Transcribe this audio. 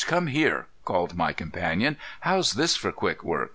Come here," called my companion. "How's this for quick work?